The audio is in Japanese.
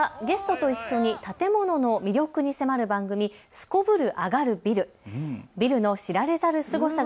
田中さんがゲストと一緒に建物の魅力に迫る番組、すこぶるアガるビル。